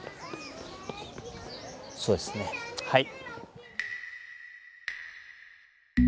そうですねはい。